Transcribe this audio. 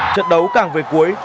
trận đấu càng về cuối